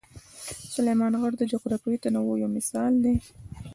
سلیمان غر د جغرافیوي تنوع یو مثال دی.